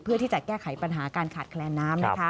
เพื่อที่จะแก้ไขปัญหาการขาดแคลนน้ำ